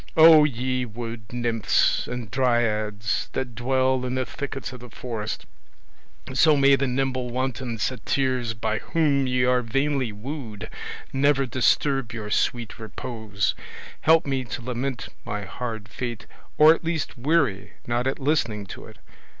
Oh, ye wood nymphs and dryads, that dwell in the thickets of the forest, so may the nimble wanton satyrs by whom ye are vainly wooed never disturb your sweet repose, help me to lament my hard fate or at least weary not at listening to it!